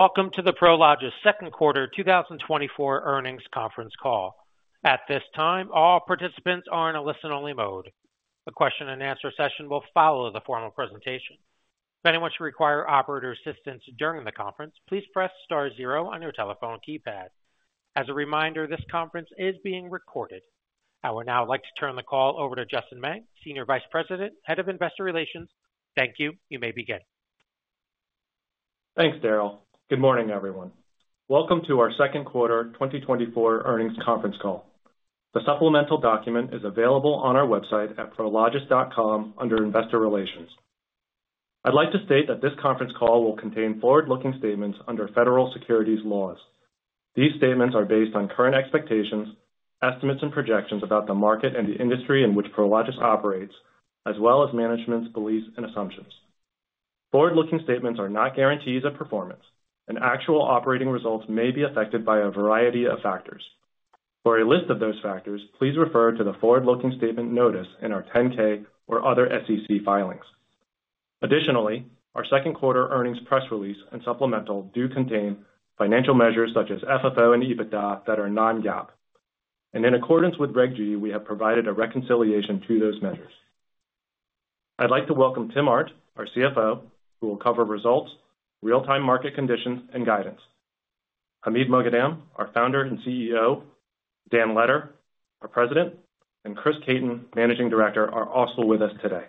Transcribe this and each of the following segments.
Welcome to the Prologis second quarter 2024 earnings conference call. At this time, all participants are in a listen-only mode. The question and answer session will follow the formal presentation. If anyone should require operator assistance during the conference, please press star zero on your telephone keypad. As a reminder, this conference is being recorded. I would now like to turn the call over to Justin Meng, Senior Vice President, Head of Investor Relations. Thank you. You may begin. Thanks, Daryl. Good morning, everyone. Welcome to our second quarter 2024 earnings conference call. The supplemental document is available on our website at prologis.com under Investor Relations. I'd like to state that this conference call will contain forward-looking statements under federal securities laws. These statements are based on current expectations, estimates, and projections about the market and the industry in which Prologis operates, as well as management's beliefs and assumptions. Forward-looking statements are not guarantees of performance, and actual operating results may be affected by a variety of factors. For a list of those factors, please refer to the forward-looking statement notice in our 10-K or other SEC filings. Additionally, our second quarter earnings press release and supplemental do contain financial measures such as FFO and EBITDA that are non-GAAP. In accordance with Reg G, we have provided a reconciliation to those measures. I'd like to welcome Tim Arndt, our CFO, who will cover results, real-time market conditions, and guidance. Hamid Moghadam, our founder and CEO, Dan Letter, our President, and Chris Caton, Managing Director, are also with us today.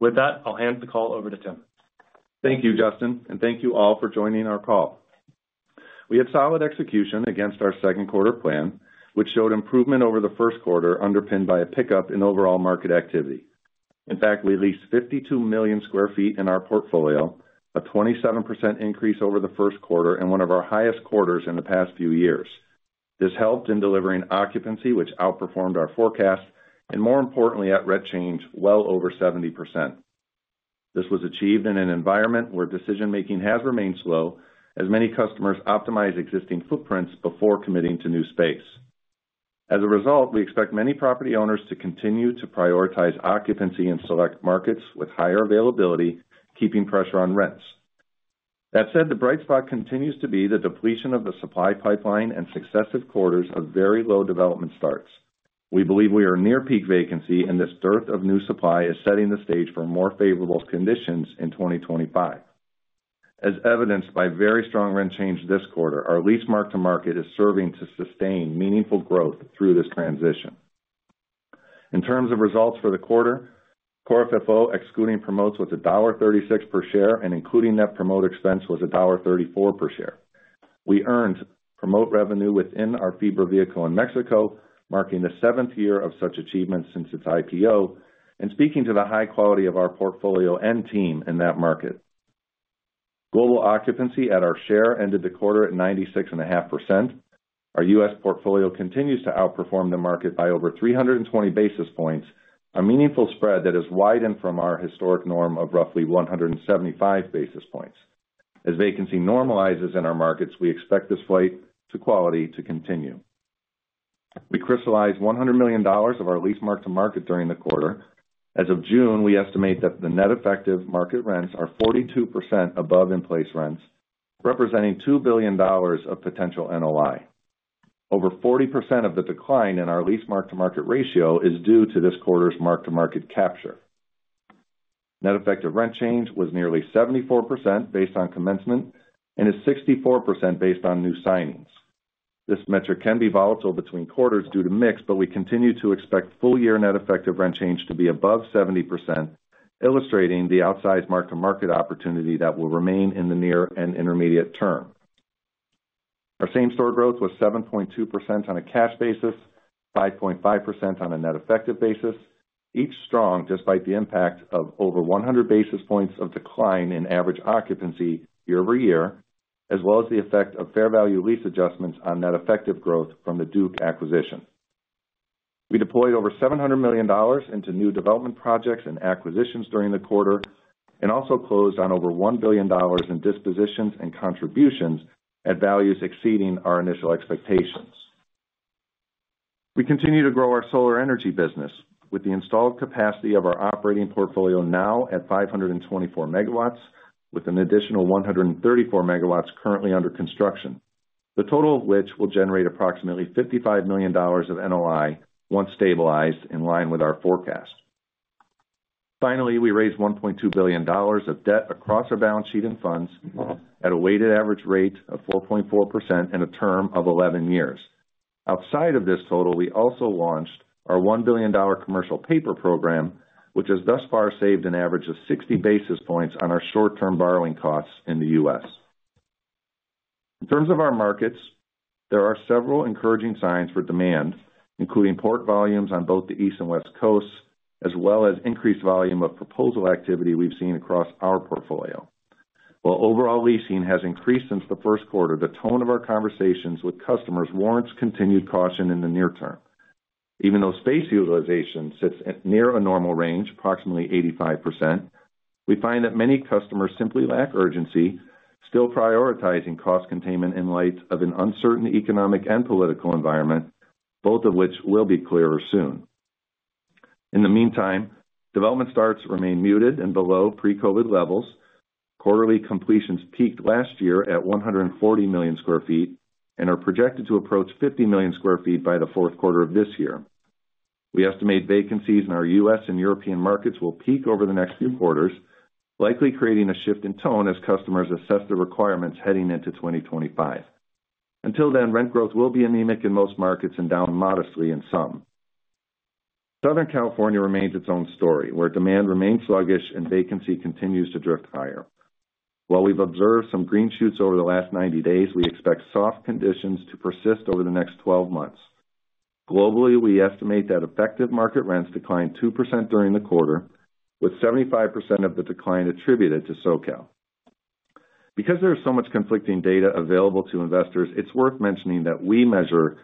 With that, I'll hand the call over to Tim. Thank you, Justin, and thank you all for joining our call. We had solid execution against our second quarter plan, which showed improvement over the first quarter, underpinned by a pickup in overall market activity. In fact, we leased 52 million sq ft in our portfolio, a 27% increase over the first quarter and one of our highest quarters in the past few years. This helped in delivering occupancy, which outperformed our forecast, and more importantly, at rent change, well over 70%. This was achieved in an environment where decision-making has remained slow, as many customers optimize existing footprints before committing to new space. As a result, we expect many property owners to continue to prioritize occupancy in select markets with higher availability, keeping pressure on rents. That said, the bright spot continues to be the depletion of the supply pipeline and successive quarters of very low development starts. We believe we are near peak vacancy, and this dearth of new supply is setting the stage for more favorable conditions in 2025. As evidenced by very strong rent change this quarter, our lease mark-to-market is serving to sustain meaningful growth through this transition. In terms of results for the quarter, core FFO, excluding promotes, was $1.36 per share, and including net promote expense, was $1.34 per share. We earned promote revenue within our FIBRA vehicle in Mexico, marking the seventh year of such achievement since its IPO, and speaking to the high quality of our portfolio and team in that market. Global occupancy at our share ended the quarter at 96.5%. Our U.S. portfolio continues to outperform the market by over 320 basis points, a meaningful spread that has widened from our historic norm of roughly 175 basis points. As vacancy normalizes in our markets, we expect this flight to quality to continue. We crystallized $100 million of our Lease Mark-to-Market during the quarter. As of June, we estimate that the net effective market rents are 42% above in-place rents, representing $2 billion of potential NOI. Over 40% of the decline in our Lease Mark-to-Market ratio is due to this quarter's Mark-to-Market capture. Net effective rent change was nearly 74% based on commencement and is 64% based on new signings. This metric can be volatile between quarters due to mix, but we continue to expect full year net effective rent change to be above 70%, illustrating the outsized mark-to-market opportunity that will remain in the near and intermediate term. Our same-store growth was 7.2% on a cash basis, 5.5% on a net effective basis, each strong despite the impact of over 100 basis points of decline in average occupancy year-over-year, as well as the effect of fair value lease adjustments on net effective growth from the Duke acquisition. We deployed over $700 million into new development projects and acquisitions during the quarter and also closed on over $1 billion in dispositions and contributions at values exceeding our initial expectations. We continue to grow our solar energy business with the installed capacity of our operating portfolio now at 524 megawatts, with an additional 134 megawatts currently under construction, the total of which will generate approximately $55 million of NOI once stabilized in line with our forecast. Finally, we raised $1.2 billion of debt across our balance sheet and funds at a weighted average rate of 4.4% and a term of 11 years. Outside of this total, we also launched our $1 billion commercial paper program, which has thus far saved an average of 60 basis points on our short-term borrowing costs in the US. In terms of our markets, there are several encouraging signs for demand, including port volumes on both the East and West Coasts, as well as increased volume of proposal activity we've seen across our portfolio. While overall leasing has increased since the first quarter, the tone of our conversations with customers warrants continued caution in the near term. Even though space utilization sits at near a normal range, approximately 85%, we find that many customers simply lack urgency, still prioritizing cost containment in light of an uncertain economic and political environment, both of which will be clearer soon. In the meantime, development starts remain muted and below pre-COVID levels. Quarterly completions peaked last year at 140 million sq ft, and are projected to approach 50 million sq ft by the fourth quarter of this year. We estimate vacancies in our U.S. and European markets will peak over the next few quarters, likely creating a shift in tone as customers assess the requirements heading into 2025. Until then, rent growth will be anemic in most markets and down modestly in some. Southern California remains its own story, where demand remains sluggish and vacancy continues to drift higher. While we've observed some green shoots over the last 90 days, we expect soft conditions to persist over the next 12 months. Globally, we estimate that effective market rents declined 2% during the quarter, with 75% of the decline attributed to SoCal. Because there is so much conflicting data available to investors, it's worth mentioning that we measure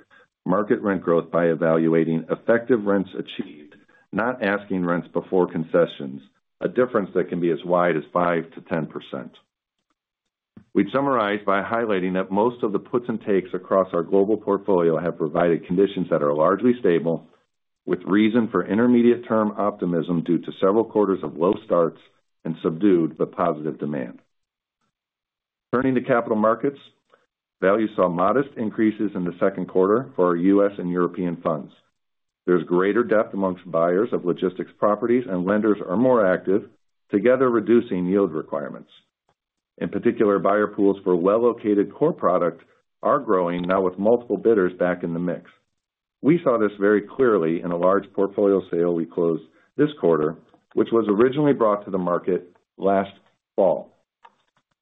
market rent growth by evaluating effective rents achieved, not asking rents before concessions, a difference that can be as wide as 5%-10%. We'd summarize by highlighting that most of the puts and takes across our global portfolio have provided conditions that are largely stable, with reason for intermediate-term optimism due to several quarters of low starts and subdued but positive demand. Turning to capital markets, value saw modest increases in the second quarter for our U.S. and European funds. There's greater depth amongst buyers of logistics properties, and lenders are more active, together reducing yield requirements. In particular, buyer pools for well-located core product are growing, now with multiple bidders back in the mix. We saw this very clearly in a large portfolio sale we closed this quarter, which was originally brought to the market last fall.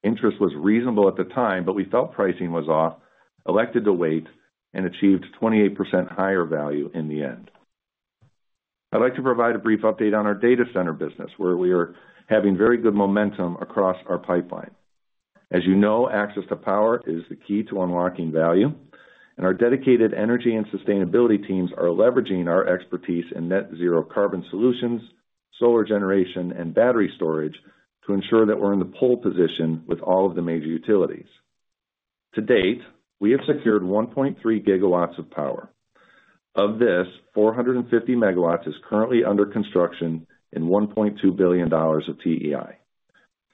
Interest was reasonable at the time, but we felt pricing was off, elected to wait, and achieved 28% higher value in the end. I'd like to provide a brief update on our data center business, where we are having very good momentum across our pipeline. As you know, access to power is the key to unlocking value, and our dedicated energy and sustainability teams are leveraging our expertise in net zero carbon solutions, solar generation, and battery storage to ensure that we're in the pole position with all of the major utilities. To date, we have secured 1.3 gigawatts of power. Of this, 450 megawatts is currently under construction in $1.2 billion of TEI.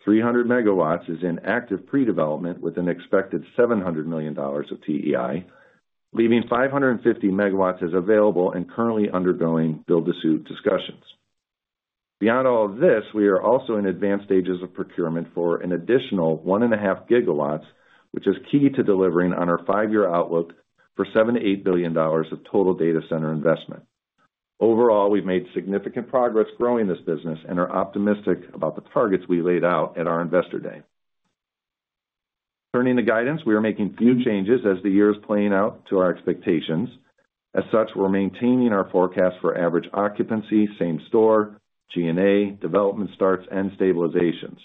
300 megawatts is in active pre-development with an expected $700 million of TEI, leaving 550 megawatts as available and currently undergoing build-to-suit discussions. Beyond all of this, we are also in advanced stages of procurement for an additional 1.5 GW, which is key to delivering on our 5-year outlook for $7 billion-$8 billion of total data center investment. Overall, we've made significant progress growing this business and are optimistic about the targets we laid out at our Investor Day. Turning to guidance, we are making few changes as the year is playing out to our expectations. As such, we're maintaining our forecast for average occupancy, same store, G&A, development starts, and stabilizations.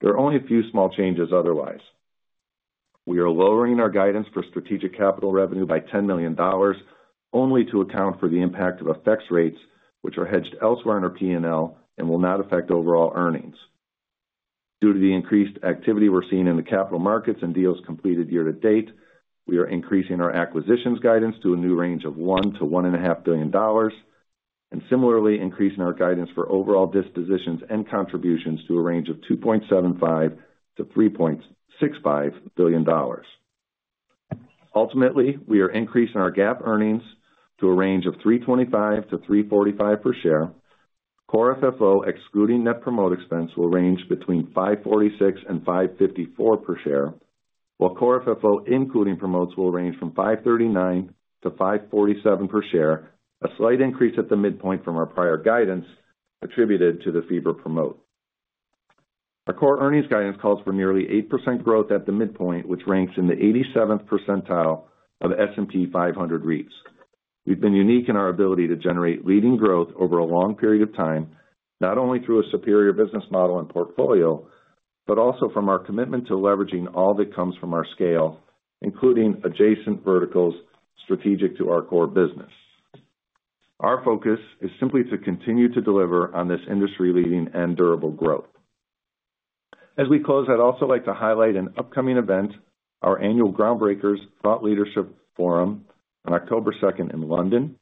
There are only a few small changes otherwise. We are lowering our guidance for strategic capital revenue by $10 million, only to account for the impact of FX rates, which are hedged elsewhere in our P&L and will not affect overall earnings. Due to the increased activity we're seeing in the capital markets and deals completed year to date, we are increasing our acquisitions guidance to a new range of $1 billion-$1.5 billion, and similarly, increasing our guidance for overall dispositions and contributions to a range of $2.75 billion-$3.65 billion. Ultimately, we are increasing our GAAP earnings to a range of $3.25-$3.45 per share. Core FFO, excluding net promote expense, will range between $5.46 and $5.54 per share, while core FFO, including promotes, will range from $5.39 to $5.47 per share, a slight increase at the midpoint from our prior guidance attributed to the fiber promote. Our core earnings guidance calls for nearly 8% growth at the midpoint, which ranks in the 87th percentile of the S&P 500 REITs. We've been unique in our ability to generate leading growth over a long period of time, not only through a superior business model and portfolio, but also from our commitment to leveraging all that comes from our scale, including adjacent verticals strategic to our core business. Our focus is simply to continue to deliver on this industry-leading and durable growth. As we close, I'd also like to highlight an upcoming event, our annual Groundbreakers Thought Leadership Forum on October 2 in London.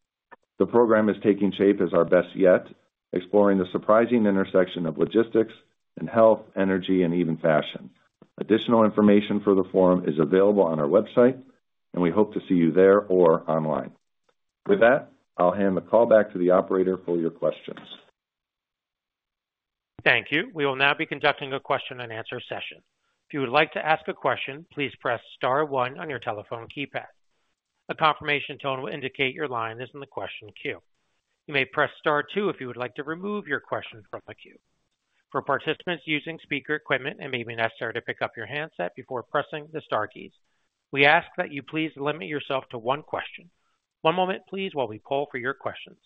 The program is taking shape as our best yet, exploring the surprising intersection of logistics and health, energy, and even fashion. Additional information for the forum is available on our website, and we hope to see you there or online. With that, I'll hand the call back to the operator for your questions. Thank you. We will now be conducting a question-and-answer session. If you would like to ask a question, please press star one on your telephone keypad. A confirmation tone will indicate your line is in the question queue. You may press Star two if you would like to remove your question from the queue. For participants using speaker equipment, it may be necessary to pick up your handset before pressing the star keys. We ask that you please limit yourself to one question. One moment, please, while we poll for your questions.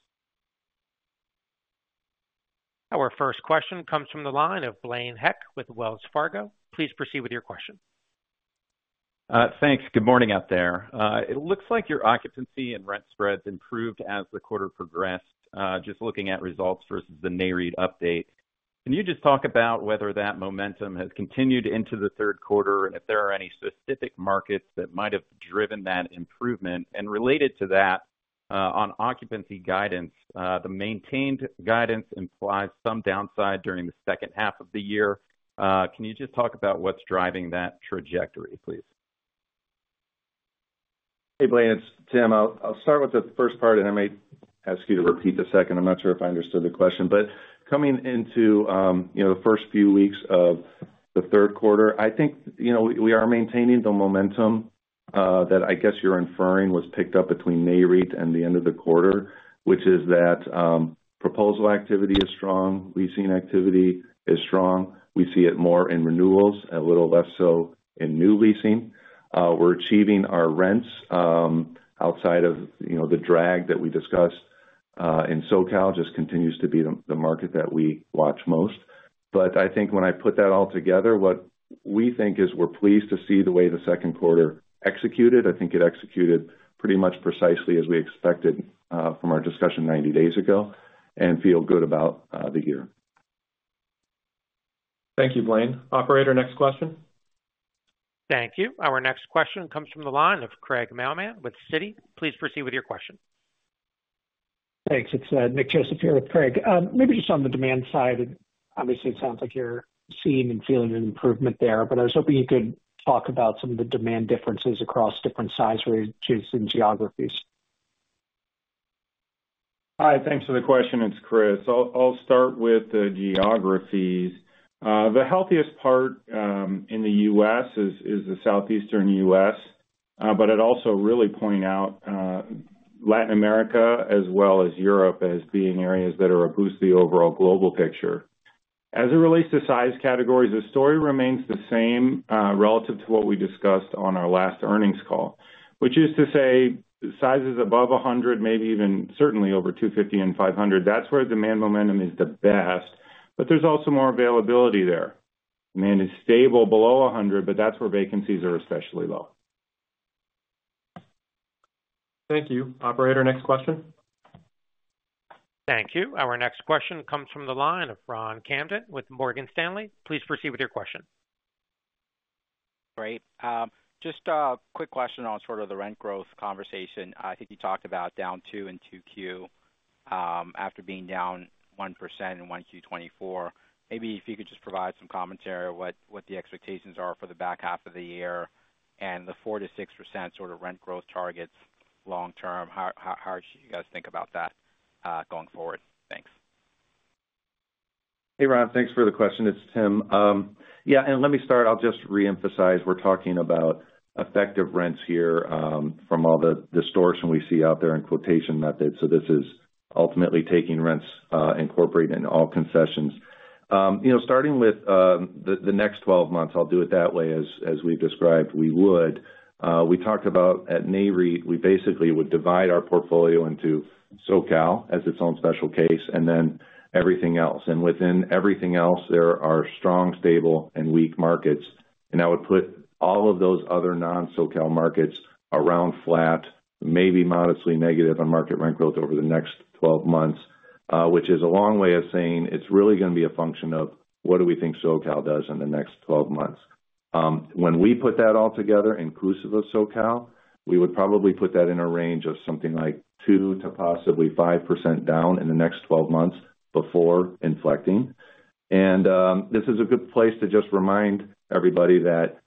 Our first question comes from the line of Blaine Heck with Wells Fargo. Please proceed with your question. Thanks. Good morning out there. It looks like your occupancy and rent spreads improved as the quarter progressed, just looking at results versus the NAREIT update. Can you just talk about whether that momentum has continued into the third quarter, and if there are any specific markets that might have driven that improvement? And related to that, on occupancy guidance, the maintained guidance implies some downside during the second half of the year. Can you just talk about what's driving that trajectory, please? Hey, Blaine, it's Tim. I'll start with the first part, and I may ask you to repeat the second. I'm not sure if I understood the question. But coming into, you know, the first few weeks of the third quarter, I think, you know, we are maintaining the momentum that I guess you're inferring was picked up between NAREIT and the end of the quarter, which is that proposal activity is strong, leasing activity is strong. We see it more in renewals and a little less so in new leasing. We're achieving our rents outside of, you know, the drag that we discussed, and SoCal just continues to be the market that we watch most. But I think when I put that all together, what we think is we're pleased to see the way the second quarter executed. I think it executed pretty much precisely as we expected from our discussion 90 days ago and feel good about the year. Thank you, Blaine. Operator, next question. Thank you. Our next question comes from the line of Craig Mailman with Citi. Please proceed with your question. Thanks. It's Nick Joseph here with Craig. Maybe just on the demand side, obviously, it sounds like you're seeing and feeling an improvement there, but I was hoping you could talk about some of the demand differences across different size ranges and geographies. Hi, thanks for the question. It's Chris. I'll start with the geographies. The healthiest part in the U.S. is the Southeastern U.S., but I'd also really point out Latin America, as well as Europe, as being areas that are a boost to the overall global picture. As it relates to size categories, the story remains the same relative to what we discussed on our last earnings call, which is to say, sizes above 100, maybe even certainly over 250 and 500, that's where demand momentum is the best, but there's also more availability there. Demand is stable below 100, but that's where vacancies are especially low. Thank you. Operator, next question. Thank you. Our next question comes from the line of Ronald Kamdem with Morgan Stanley. Please proceed with your question. Great. Just a quick question on sort of the rent growth conversation. I think you talked about down 2 in 2Q, after being down 1% in 1Q 2024. Maybe if you could just provide some commentary on what, what the expectations are for the back half of the year and the 4%-6% sort of rent growth targets long term. How, how, how should you guys think about that, going forward? Thanks. Hey, Ron, thanks for the question. It's Tim. Yeah, and let me start. I'll just reemphasize, we're talking about effective rents here, from all the distortion we see out there in quotation methods. So this is ultimately taking rents, incorporating all concessions. You know, starting with the next 12 months, I'll do it that way, as we described, we would. We talked about at NAREIT, we basically would divide our portfolio into SoCal as its own special case, and then everything else. Within everything else, there are strong, stable, and weak markets, and I would put all of those other non-SoCal markets around flat, maybe modestly negative on market rent growth over the next 12 months, which is a long way of saying it's really gonna be a function of what do we think SoCal does in the next 12 months. When we put that all together, inclusive of SoCal, we would probably put that in a range of something like 2%-5% down in the next 12 months before inflecting. This is a good place to just remind everybody that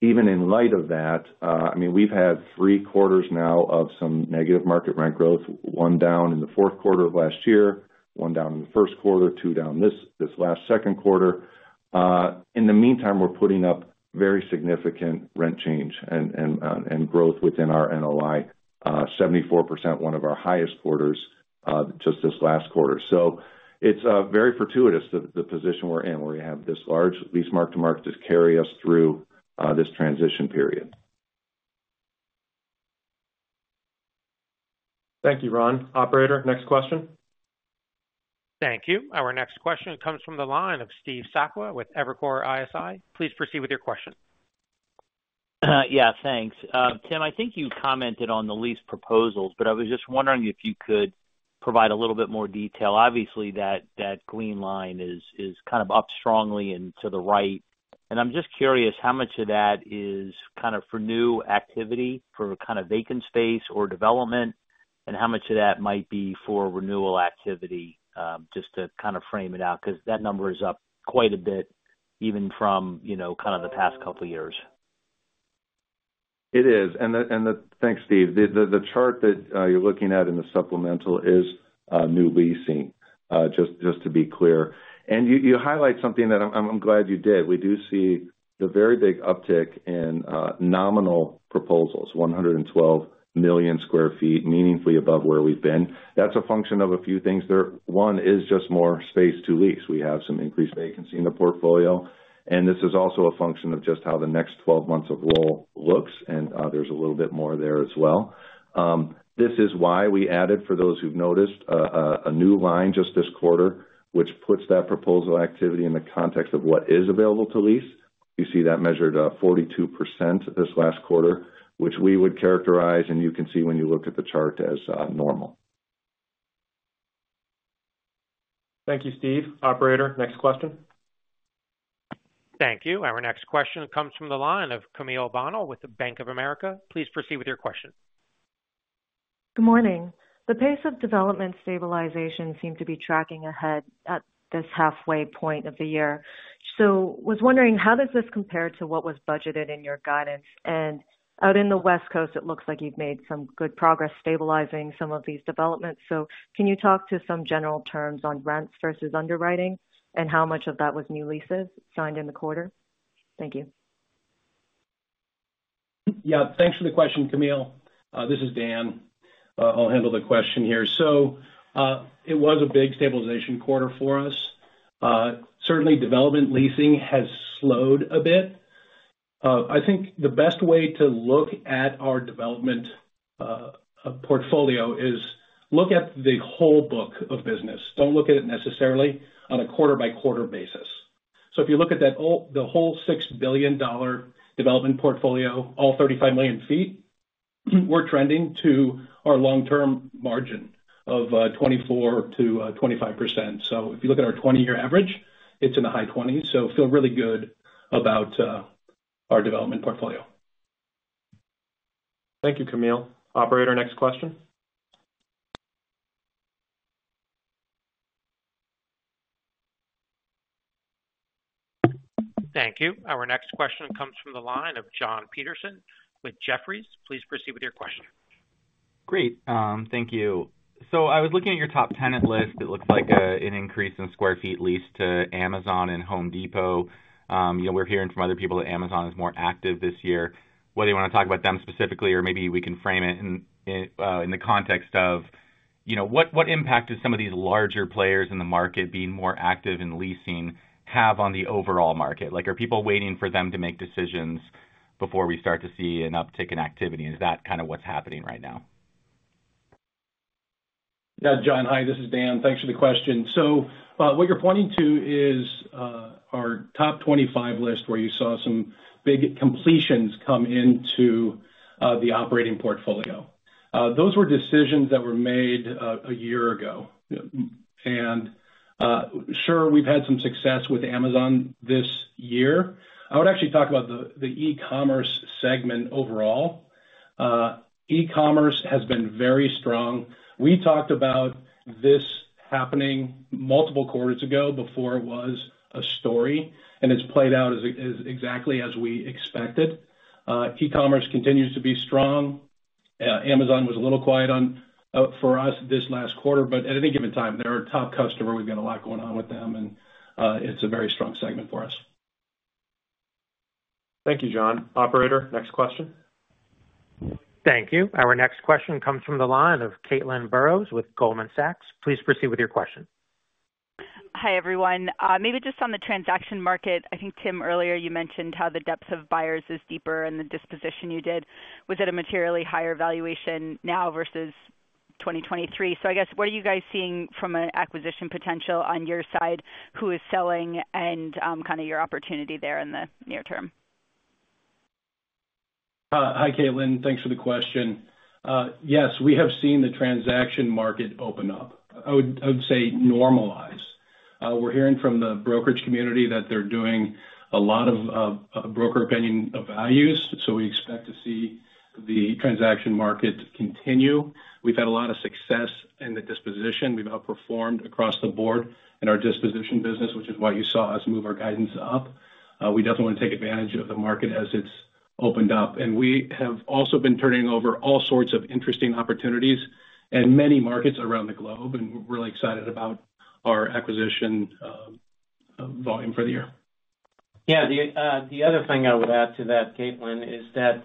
even in light of that, I mean, we've had three quarters now of some negative market rent growth, one down in the fourth quarter of last year, one down in the first quarter, two down this last second quarter. In the meantime, we're putting up very significant rent change and growth within our NLI, 74%, one of our highest quarters, just this last quarter. So it's very fortuitous, the position we're in, where we have this large lease mark-to-market to carry us through this transition period. Thank you, Ron. Operator, next question. Thank you. Our next question comes from the line of Steve Sakwa with Evercore ISI. Please proceed with your question. Yeah, thanks. Tim, I think you commented on the lease proposals, but I was just wondering if you could provide a little bit more detail. Obviously, that green line is kind of up strongly and to the right, and I'm just curious how much of that is kind of for new activity, for kind of vacant space or development, and how much of that might be for renewal activity? Just to kind of frame it out, because that number is up quite a bit, even from, you know, kind of the past couple of years. Thanks, Steve. The chart that you're looking at in the supplemental is new leasing, just to be clear. And you highlight something that I'm glad you did. We do see the very big uptick in nominal proposals, 112 million sq ft, meaningfully above where we've been. That's a function of a few things. There, one, is just more space to lease. We have some increased vacancy in the portfolio, and this is also a function of just how the next 12 months of roll looks, and there's a little bit more there as well. This is why we added, for those who've noticed, a new line just this quarter, which puts that proposal activity in the context of what is available to lease you see that measured 42% this last quarter, which we would characterize, and you can see when you look at the chart, as normal. Thank you, Steve. Operator, next question. Thank you. Our next question comes from the line of Camille Bonnel with Bank of America. Please proceed with your question. Good morning. The pace of development stabilization seemed to be tracking ahead at this halfway point of the year. So was wondering, how does this compare to what was budgeted in your guidance? And out in the West Coast, it looks like you've made some good progress stabilizing some of these developments. So can you talk to some general terms on rents versus underwriting and how much of that was new leases signed in the quarter? Thank you. Yeah, thanks for the question, Camille. This is Dan. I'll handle the question here. So, it was a big stabilization quarter for us. Certainly, development leasing has slowed a bit. I think the best way to look at our development portfolio is look at the whole book of business. Don't look at it necessarily on a quarter-by-quarter basis. So if you look at the whole $6 billion development portfolio, all 35 million sq ft, we're trending to our long-term margin of 24%-25%. So if you look at our 20-year average, it's in the high 20s. So feel really good about our development portfolio. Thank you, Camille. Operator, next question. Thank you. Our next question comes from the line of Jon Petersen with Jefferies. Please proceed with your question. Great. Thank you. So I was looking at your top tenant list. It looks like an increase in square feet leased to Amazon and Home Depot. You know, we're hearing from other people that Amazon is more active this year. Whether you want to talk about them specifically, or maybe we can frame it in the context of, you know, what impact do some of these larger players in the market being more active in leasing have on the overall market? Like, are people waiting for them to make decisions before we start to see an uptick in activity? Is that kind of what's happening right now? Yeah, John. Hi, this is Dan. Thanks for the question. So, what you're pointing to is our top 25 list, where you saw some big completions come into the operating portfolio. Those were decisions that were made a year ago. And sure, we've had some success with Amazon this year. I would actually talk about the e-commerce segment overall. E-commerce has been very strong. We talked about this happening multiple quarters ago, before it was a story, and it's played out as exactly as we expected. E-commerce continues to be strong. Amazon was a little quiet one for us this last quarter, but at any given time, they're our top customer. We've got a lot going on with them, and it's a very strong segment for us. Thank you, John. Operator, next question. Thank you. Our next question comes from the line of Caitlin Burrows with Goldman Sachs. Please proceed with your question. Hi, everyone. Maybe just on the transaction market, I think, Tim, earlier you mentioned how the depth of buyers is deeper and the disposition you did was at a materially higher valuation now versus 2023. So I guess, what are you guys seeing from an acquisition potential on your side, who is selling, and kind of your opportunity there in the near term? Hi, Caitlin. Thanks for the question. Yes, we have seen the transaction market open up. I would say normalize. We're hearing from the brokerage community that they're doing a lot of broker opinion of values, so we expect to see the transaction market continue. We've had a lot of success in the disposition. We've outperformed across the board in our disposition business, which is why you saw us move our guidance up. We definitely want to take advantage of the market as it's opened up. And we have also been turning over all sorts of interesting opportunities in many markets around the globe, and we're really excited about our acquisition volume for the year. Yeah, the other thing I would add to that, Caitlin, is that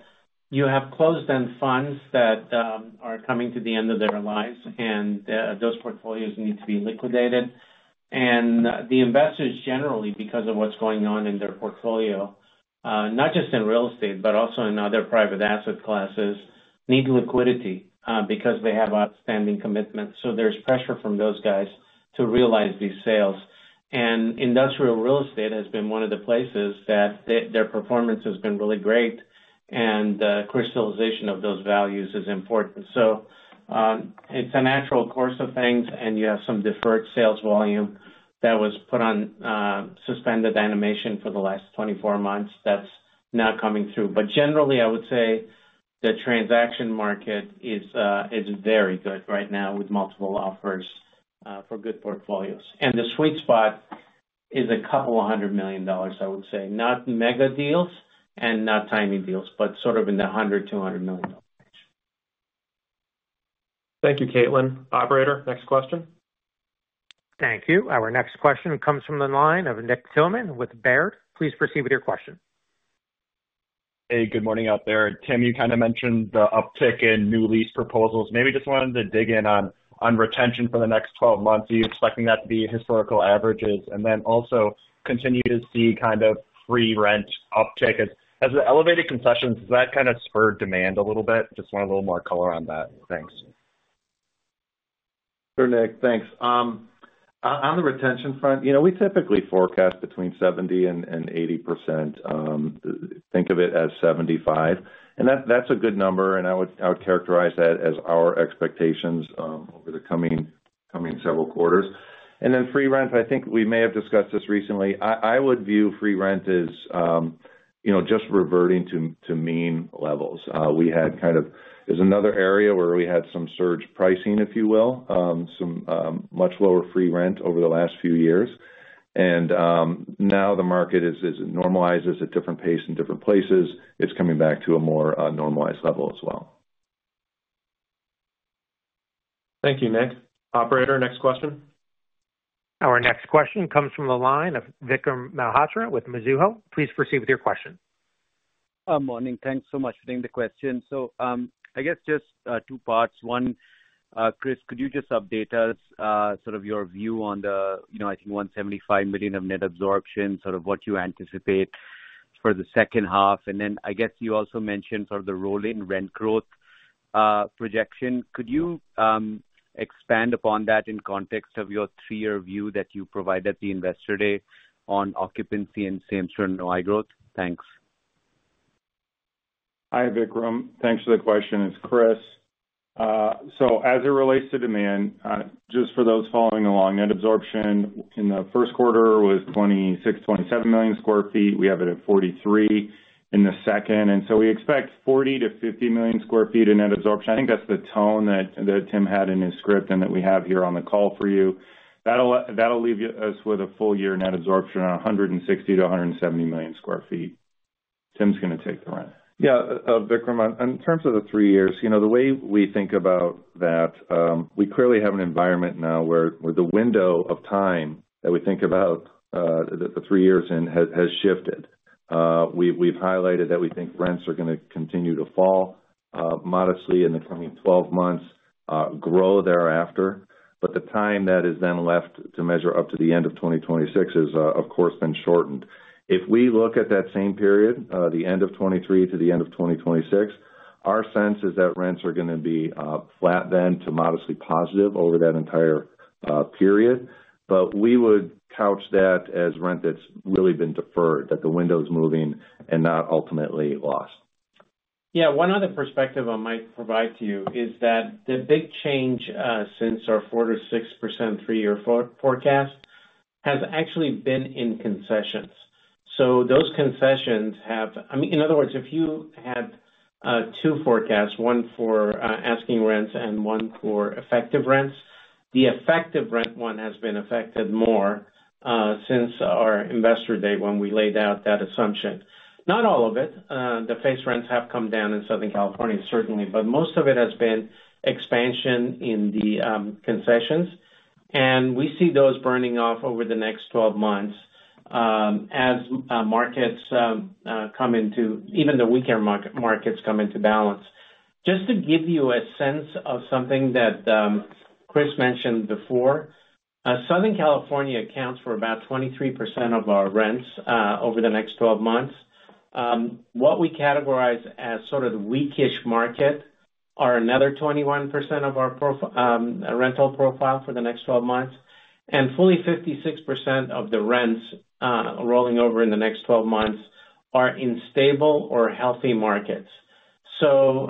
you have closed-end funds that are coming to the end of their lives, and those portfolios need to be liquidated. The investors, generally, because of what's going on in their portfolio, not just in real estate, but also in other private asset classes, need liquidity because they have outstanding commitments. There's pressure from those guys to realize these sales. Industrial real estate has been one of the places that their performance has been really great, and crystallization of those values is important. It's a natural course of things, and you have some deferred sales volume that was put on suspended animation for the last 24 months that's now coming through. But generally, I would say the transaction market is, is very good right now with multiple offers for good portfolios. And the sweet spot is a couple of hundred million dollars, I would say. Not mega deals and not tiny deals, but sort of in the $100-$200 million range. Thank you, Caitlin. Operator, next question. Thank you. Our next question comes from the line of Nicholas Thillman with Baird. Please proceed with your question. Hey, good morning out there. Tim, you kind of mentioned the uptick in new lease proposals. Maybe just wanted to dig in on, on retention for the next 12 months. Are you expecting that to be historical averages? And then also, continue to see kind of free rent uptick. As the elevated concessions, does that kind of spur demand a little bit? Just want a little more color on that. Thanks. Sure, Nick, thanks. On the retention front, you know, we typically forecast between 70% and 80%, think of it as 75%, and that's a good number, and I would characterize that as our expectations over the coming several quarters. And then free rent, I think we may have discussed this recently. I would view free rent as, you know, just reverting to mean levels. We had kind of... There's another area where we had some surge pricing, if you will, some much lower free rent over the last few years. And now the market as it normalizes at different pace in different places, it's coming back to a more normalized level as well. Thank you, Nick. Operator, next question. Our next question comes from the line of Vikram Malhotra with Mizuho. Please proceed with your question. Morning. Thanks so much for taking the question. So, I guess just two parts. One, Chris, could you just update us, sort of your view on the, you know, I think 175 million of net absorption, sort of what you anticipate for the second half? And then, I guess, you also mentioned sort of the role in rent growth projection. Could you expand upon that in context of your three-year view that you provided the Investor Day on occupancy and same-store NOI growth? Thanks. Hi, Vikram. Thanks for the question. It's Chris. So as it relates to demand, just for those following along, net absorption in the first quarter was 26-27 million sq ft. We have it at 43 in the second, and so we expect 40-50 million sq ft in net absorption. I think that's the tone that, that Tim had in his script and that we have here on the call for you. That'll, that'll leave us with a full year net absorption of 160-170 million sq ft. Tim's gonna take the rent. Yeah, Vikram, on, in terms of the three years, you know, the way we think about that, we clearly have an environment now where the window of time that we think about, the three years in has shifted. We've highlighted that we think rents are gonna continue to fall modestly in the coming 12 months, grow thereafter. But the time that is then left to measure up to the end of 2026 is, of course, been shortened. If we look at that same period, the end of 2023 to the end of 2026, our sense is that rents are gonna be flat then to modestly positive over that entire period, but we would couch that as rent that's really been deferred, that the window's moving and not ultimately lost. Yeah, one other perspective I might provide to you is that the big change since our 4%-6% three-year forecast has actually been in concessions. So those concessions have... I mean, in other words, if you had two forecasts, one for asking rents and one for effective rents, the effective rent one has been affected more since our investor day when we laid out that assumption. Not all of it, the face rents have come down in Southern California, certainly, but most of it has been expansion in the concessions, and we see those burning off over the next 12 months as markets come into even the weaker markets come into balance. Just to give you a sense of something that Chris mentioned before, Southern California accounts for about 23% of our rents over the next twelve months. What we categorize as sort of the weakish market are another 21% of our rental profile for the next twelve months, and fully 56% of the rents rolling over in the next twelve months are in stable or healthy markets. So,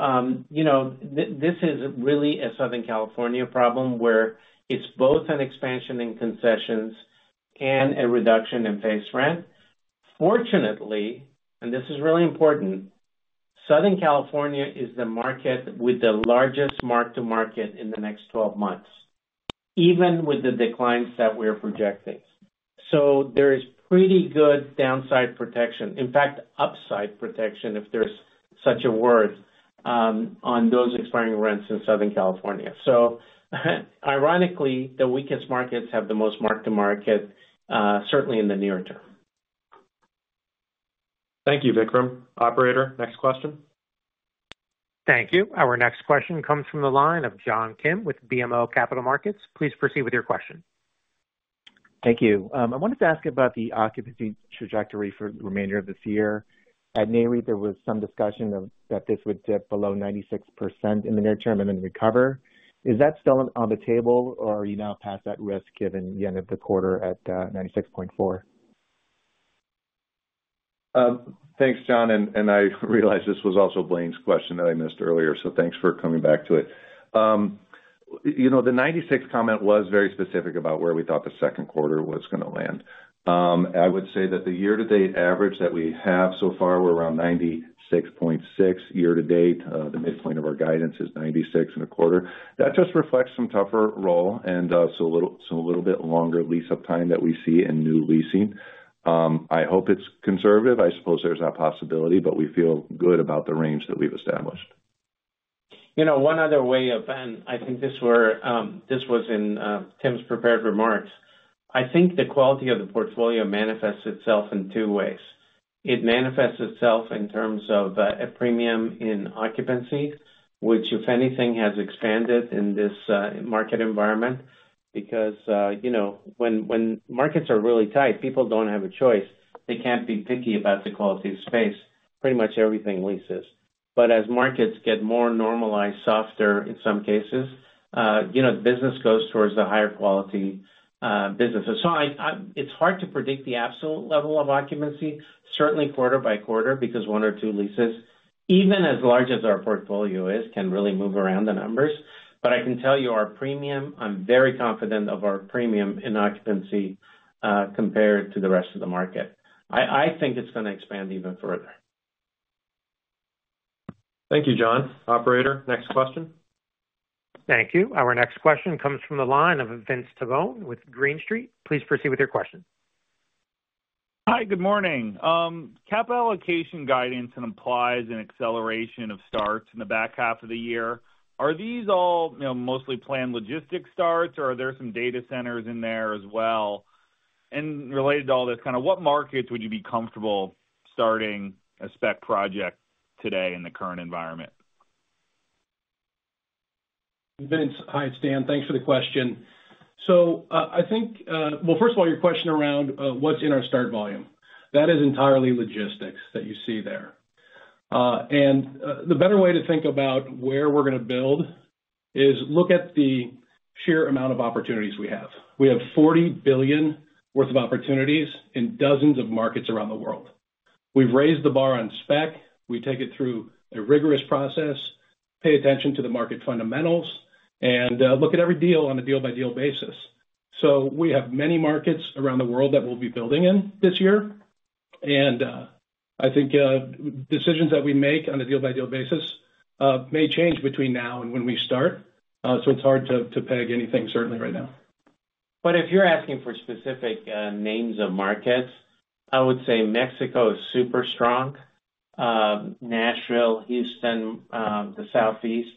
you know, this is really a Southern California problem, where it's both an expansion in concessions and a reduction in face rent. Fortunately, and this is really important, Southern California is the market with the largest mark to market in the next twelve months, even with the declines that we're projecting. So there is pretty good downside protection. In fact, upside protection, if there's such a word, on those expiring rents in Southern California. So ironically, the weakest markets have the most mark-to-market, certainly in the near term. Thank you, Vikram. Operator, next question. Thank you. Our next question comes from the line of John Kim with BMO Capital Markets. Please proceed with your question. Thank you. I wanted to ask about the occupancy trajectory for the remainder of this year. At NAREIT, there was some discussion of, that this would dip below 96% in the near term and then recover. Is that still on the table, or are you now past that risk given the end of the quarter at 96.4? Thanks, John, and I realize this was also Blaine's question that I missed earlier, so thanks for coming back to it. You know, the 96 comment was very specific about where we thought the second quarter was gonna land. I would say that the year-to-date average that we have so far, we're around 96.6 year to date. The midpoint of our guidance is 96.25. That just reflects some tougher roll and so a little bit longer lease-up time that we see in new leasing. I hope it's conservative. I suppose there's that possibility, but we feel good about the range that we've established. You know, one other way of, and I think this was in Tim's prepared remarks. I think the quality of the portfolio manifests itself in two ways. It manifests itself in terms of a premium in occupancy, which, if anything, has expanded in this market environment, because you know, when markets are really tight, people don't have a choice. They can't be picky about the quality of space. Pretty much everything leases. But as markets get more normalized, softer in some cases, you know, business goes towards the higher quality businesses. So it's hard to predict the absolute level of occupancy, certainly quarter by quarter, because one or two leases, even as large as our portfolio is, can really move around the numbers. But I can tell you our premium. I'm very confident of our premium in occupancy, compared to the rest of the market. I think it's gonna expand even further. Thank you, John. Operator, next question. Thank you. Our next question comes from the line of Vince Tibone with Green Street. Please proceed with your question. Hi, good morning. Capital allocation guidance and implies an acceleration of starts in the back half of the year. Are these all, you know, mostly planned logistics starts, or are there some data centers in there as well? And related to all this, kind of what markets would you be comfortable starting a spec project today in the current environment? Vince, hi, it's Dan. Thanks for the question. So, I think... well, first of all, your question around, what's in our start volume. That is entirely logistics that you see there. And, the better way to think about where we're gonna build is look at the sheer amount of opportunities we have. We have $40 billion worth of opportunities in dozens of markets around the world. We've raised the bar on spec. We take it through a rigorous process, pay attention to the market fundamentals, and, look at every deal on a deal-by-deal basis. So we have many markets around the world that we'll be building in this year, and, I think, decisions that we make on a deal-by-deal basis, may change between now and when we start, so it's hard to, to peg anything, certainly right now. But if you're asking for specific names of markets, I would say Mexico is super strong. Nashville, Houston, the Southeast,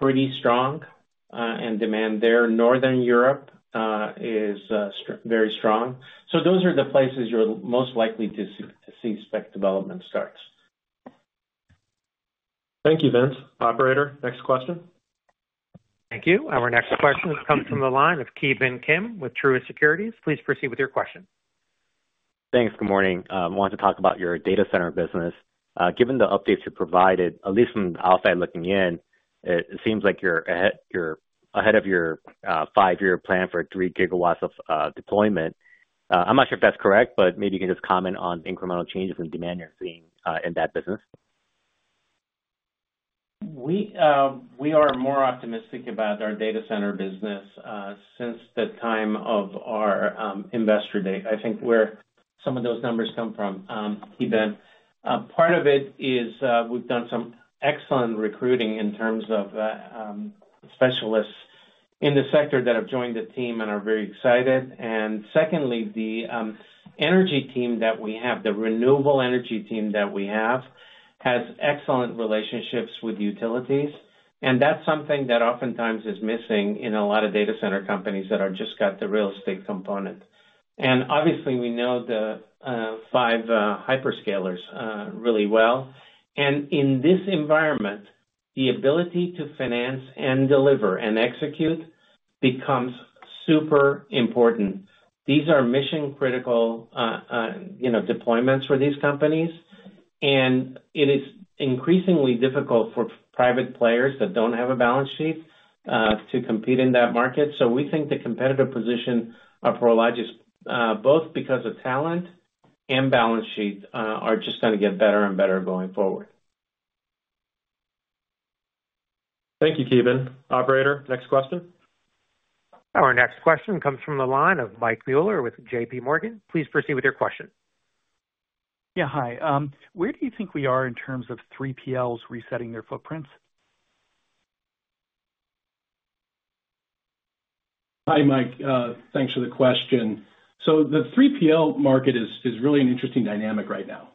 pretty strong in demand there. Northern Europe is very strong. So those are the places you're most likely to see spec development starts. Thank you, Vince. Operator, next question. Thank you. Our next question comes from the line of Ki Bin Kim with Truist Securities. Please proceed with your question. Thanks. Good morning. I wanted to talk about your data center business. Given the updates you provided, at least from the outside looking in, it seems like you're ahead of your 5-year plan for 3 gigawatts of deployment. I'm not sure if that's correct, but maybe you can just comment on incremental changes in demand you're seeing in that business. We are more optimistic about our data center business since the time of our investor day. I think where some of those numbers come from, Ki Bin, part of it is we've done some excellent recruiting in terms of specialists in the sector that have joined the team and are very excited. And secondly, the energy team that we have, the renewable energy team that we have, has excellent relationships with utilities, and that's something that oftentimes is missing in a lot of data center companies that are just got the real estate component. And obviously, we know the five hyperscalers really well. And in this environment, the ability to finance and deliver and execute becomes super important. These are mission-critical, you know, deployments for these companies, and it is increasingly difficult for private players that don't have a balance sheet, to compete in that market. So we think the competitive position, for Prologis, both because of talent and balance sheets, are just gonna get better and better going forward. Thank you, Ki Bin Kim. Operator, next question? Our next question comes from the line of Mike Mueller with J.P. Morgan. Please proceed with your question. Yeah, hi. Where do you think we are in terms of 3PLs resetting their footprints? Hi, Mike. Thanks for the question. So the 3PL market is really an interesting dynamic right now.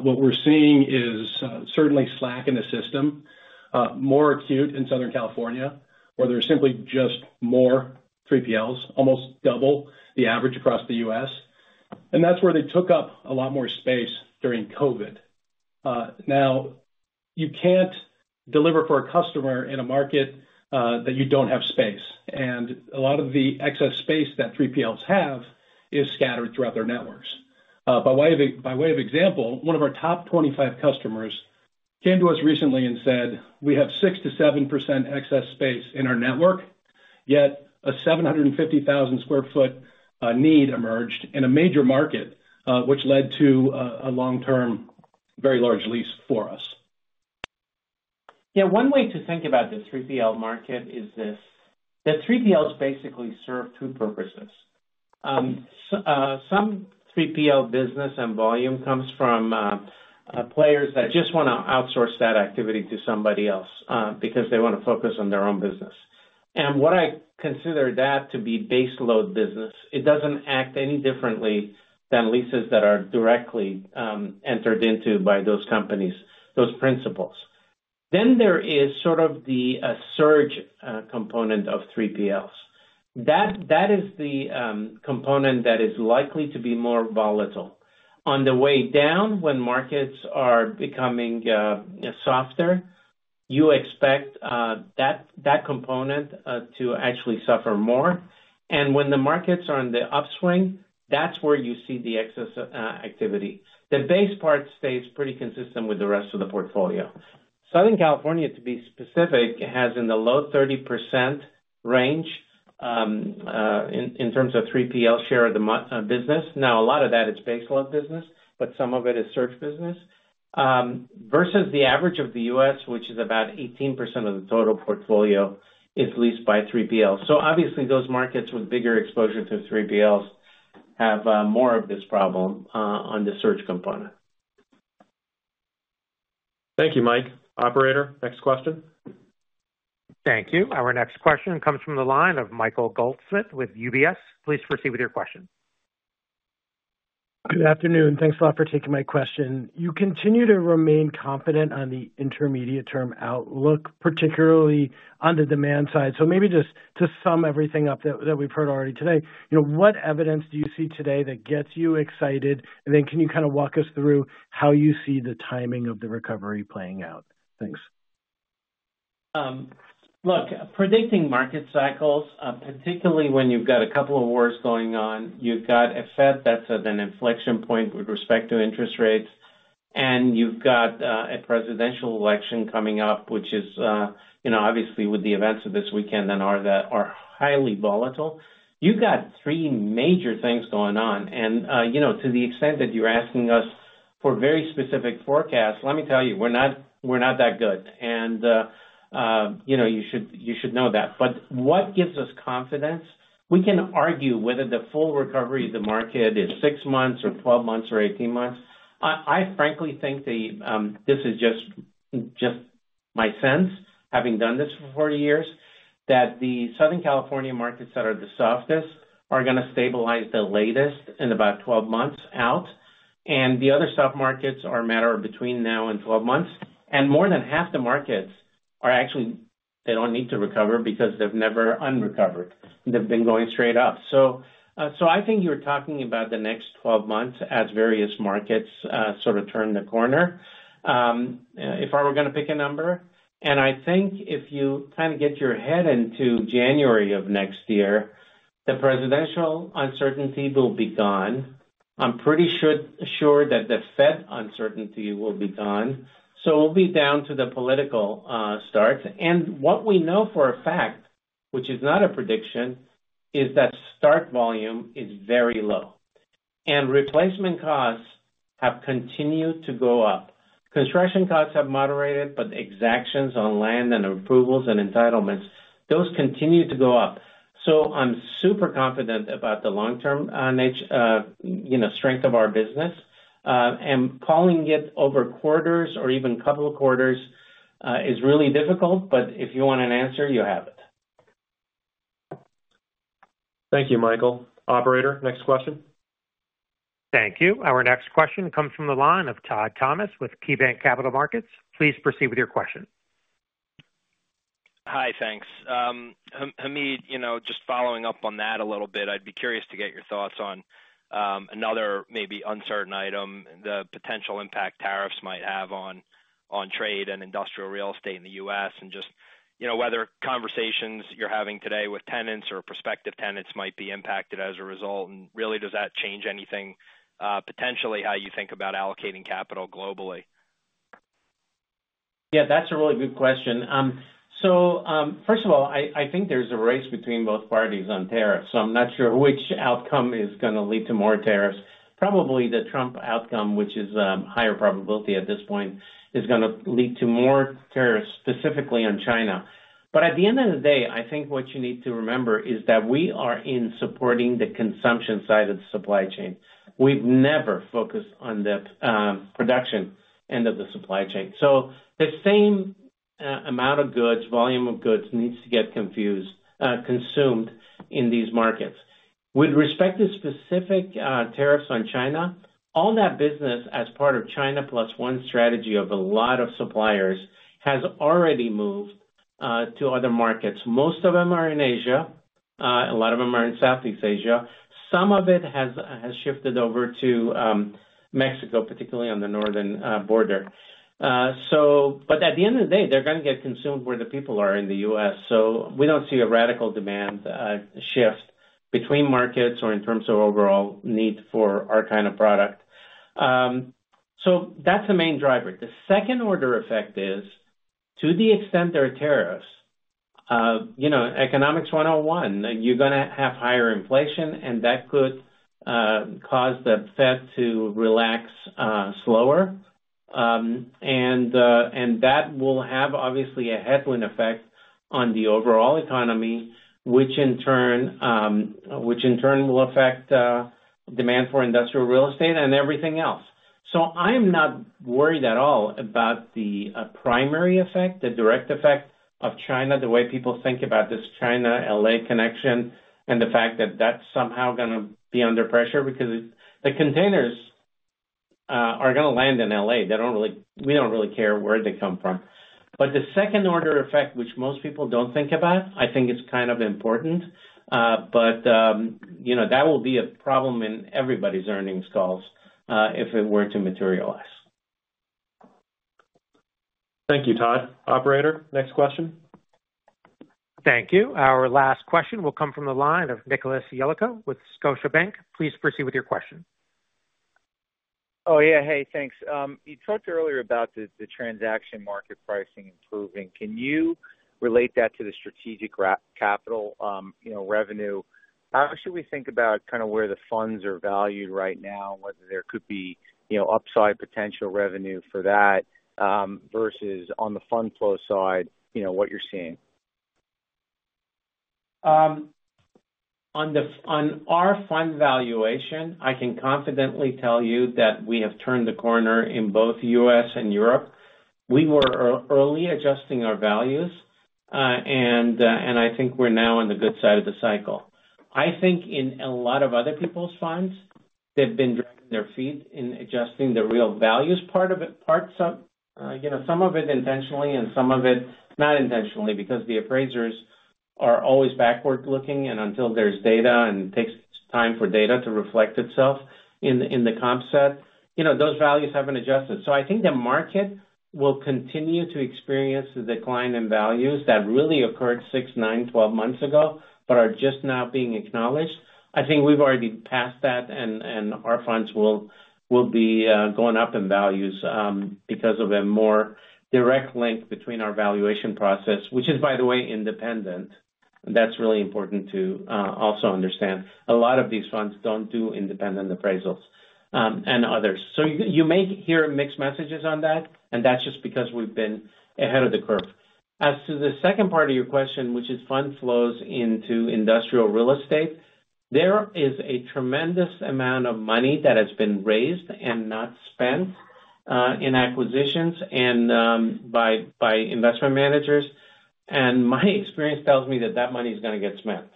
What we're seeing is certainly slack in the system, more acute in Southern California, where there's simply just more 3PLs, almost double the average across the U.S., and that's where they took up a lot more space during COVID. Now, you can't deliver for a customer in a market that you don't have space, and a lot of the excess space that 3PLs have is scattered throughout their networks. By way of example, one of our top 25 customers came to us recently and said, "We have 6%-7% excess space in our network," yet a 750,000 sq ft need emerged in a major market, which led to a long-term, very large lease for us. Yeah, one way to think about the 3PL market is this: that 3PLs basically serve two purposes. Some 3PL business and volume comes from players that just wanna outsource that activity to somebody else because they want to focus on their own business. And what I consider that to be baseload business, it doesn't act any differently than leases that are directly entered into by those companies, those principals. Then there is sort of the surge component of 3PLs. That is the component that is likely to be more volatile. On the way down, when markets are becoming softer, you expect that component to actually suffer more. And when the markets are on the upswing, that's where you see the excess activity. The base part stays pretty consistent with the rest of the portfolio. Southern California, to be specific, has in the low 30% range in terms of 3PL share of the market business. Now, a lot of that is base load business, but some of it is surge business. Versus the average of the U.S., which is about 18% of the total portfolio, is leased by 3PL. So obviously, those markets with bigger exposure to 3PLs have more of this problem on the surge component. Thank you, Mike. Operator, next question. Thank you. Our next question comes from the line of Michael Goldsmith with UBS. Please proceed with your question. Good afternoon. Thanks a lot for taking my question. You continue to remain confident on the intermediate-term outlook, particularly on the demand side. So maybe just to sum everything up that we've heard already today, you know, what evidence do you see today that gets you excited? And then can you kind of walk us through how you see the timing of the recovery playing out? Thanks. Look, predicting market cycles, particularly when you've got a couple of wars going on, you've got a Fed that's at an inflection point with respect to interest rates, and you've got a presidential election coming up, which is, you know, obviously, with the events of this weekend that are highly volatile. You've got three major things going on. And, you know, to the extent that you're asking us for very specific forecasts, let me tell you, we're not, we're not that good. And, you know, you should, you should know that. But what gives us confidence, we can argue whether the full recovery of the market is 6 months or 12 months or 18 months. I frankly think the... This is just, just my sense, having done this for 40 years, that the Southern California markets that are the softest are gonna stabilize the latest in about 12 months out, and the other soft markets are a matter of between now and 12 months. And more than half the markets are actually, they don't need to recover because they've never unrecovered. They've been going straight up. So, so I think you're talking about the next 12 months as various markets, sort of turn the corner, if I were gonna pick a number. And I think if you kind of get your head into January of next year, the presidential uncertainty will be gone. I'm pretty sure, sure that the Fed uncertainty will be gone, so we'll be down to the political start. What we know for a fact, which is not a prediction, is that start volume is very low, and replacement costs have continued to go up. Construction costs have moderated, but exactions on land and approvals and entitlements, those continue to go up. So I'm super confident about the long-term, you know, strength of our business. And calling it over quarters or even couple of quarters is really difficult, but if you want an answer, you have it. Thank you, Michael. Operator, next question. Thank you. Our next question comes from the line of Todd Thomas with KeyBanc Capital Markets. Please proceed with your question. Hi, thanks. Hamid, you know, just following up on that a little bit, I'd be curious to get your thoughts on another maybe uncertain item, the potential impact tariffs might have on trade and industrial real estate in the U.S., and just, you know, whether conversations you're having today with tenants or prospective tenants might be impacted as a result. And really, does that change anything, potentially, how you think about allocating capital globally? Yeah, that's a really good question. So, first of all, I think there's a race between both parties on tariffs, so I'm not sure which outcome is gonna lead to more tariffs. Probably the Trump outcome, which is higher probability at this point, is gonna lead to more tariffs, specifically on China. But at the end of the day, I think what you need to remember is that we are in supporting the consumption side of the supply chain. We've never focused on the production end of the supply chain. So the same amount of goods, volume of goods, needs to get consumed in these markets. With respect to specific tariffs on China, all that business as part of China Plus One strategy of a lot of suppliers, has already moved to other markets. Most of them are in Asia, a lot of them are in Southeast Asia. Some of it has has shifted over to, Mexico, particularly on the northern border. So but at the end of the day, they're gonna get consumed where the people are in the U.S., so we don't see a radical demand shift between markets or in terms of overall need for our kind of product. So that's the main driver. The second order effect is, to the extent there are tariffs, you know, Economics 101, you're gonna have higher inflation, and that could cause the Fed to relax slower. And that will have, obviously, a headwind effect on the overall economy, which in turn, which in turn will affect demand for industrial real estate and everything else. So I'm not worried at all about the primary effect, the direct effect of China, the way people think about this China-L.A. connection, and the fact that that's somehow gonna be under pressure, because it... The containers are gonna land in L.A. They don't really-- we don't really care where they come from. But the second order effect, which most people don't think about, I think is kind of important. But, you know, that will be a problem in everybody's earnings calls, if it were to materialize. Thank you, Todd. Operator, next question. Thank you. Our last question will come from the line of Nicholas Yulico with Scotiabank. Please proceed with your question. Oh, yeah. Hey, thanks. You talked earlier about the transaction market pricing improving. Can you relate that to the strategic capital, you know, revenue? How should we think about kind of where the funds are valued right now, whether there could be, you know, upside potential revenue for that, versus on the fund flow side, you know, what you're seeing? On our fund valuation, I can confidently tell you that we have turned the corner in both U.S. and Europe. We were early adjusting our values, and I think we're now on the good side of the cycle. I think in a lot of other people's funds, they've been dragging their feet in adjusting the real values part of it, parts of, you know, some of it intentionally and some of it not intentionally, because the appraisers are always backward-looking, and until there's data and takes time for data to reflect itself in the comp set, you know, those values haven't adjusted. So I think the market will continue to experience the decline in values that really occurred 6, 9, 12 months ago, but are just now being acknowledged. I think we've already passed that and our funds will be going up in values because of a more direct link between our valuation process, which is, by the way, independent. That's really important to also understand. A lot of these funds don't do independent appraisals and others. So you may hear mixed messages on that, and that's just because we've been ahead of the curve. As to the second part of your question, which is fund flows into industrial real estate, there is a tremendous amount of money that has been raised and not spent in acquisitions and by investment managers, and my experience tells me that that money is gonna get spent.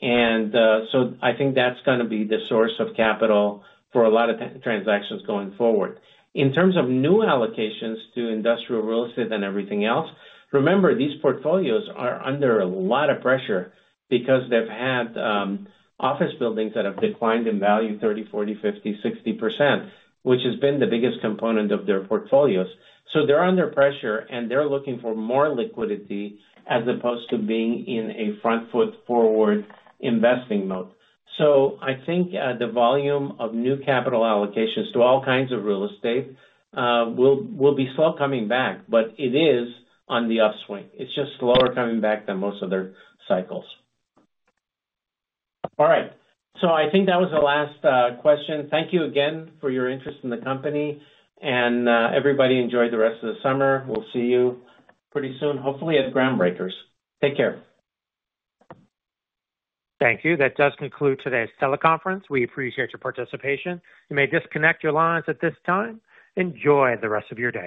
So I think that's gonna be the source of capital for a lot of transactions going forward. In terms of new allocations to industrial real estate and everything else, remember, these portfolios are under a lot of pressure because they've had office buildings that have declined in value 30, 40, 50, 60%, which has been the biggest component of their portfolios. So they're under pressure, and they're looking for more liquidity as opposed to being in a front-foot-forward investing mode. So I think the volume of new capital allocations to all kinds of real estate will, will be slow coming back, but it is on the upswing. It's just slower coming back than most other cycles. All right, so I think that was the last question. Thank you again for your interest in the company, and everybody enjoy the rest of the summer. We'll see you pretty soon, hopefully at Groundbreakers. Take care. Thank you. That does conclude today's teleconference. We appreciate your participation. You may disconnect your lines at this time. Enjoy the rest of your day.